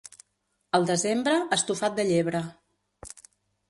Al desembre, estofat de llebre.